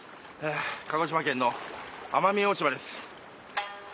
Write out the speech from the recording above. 鹿児島県の奄美大島です。